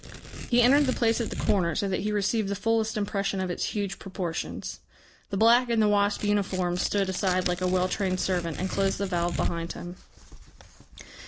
He entered the place at the corner, so that he received the fullest impression of its huge proportions. The black in the wasp uniform stood aside like a well trained servant, and closed the valve behind him.